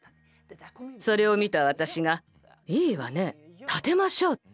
それを見た私が「いいわね！建てましょう！」